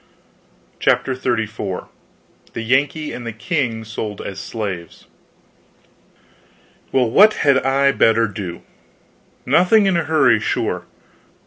CHAPTER XXXIV THE YANKEE AND THE KING SOLD AS SLAVES Well, what had I better do? Nothing in a hurry, sure.